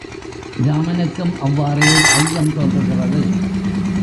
இராமனுக்கும் அவ்வாறே ஐயம் தோன்றுகிறது.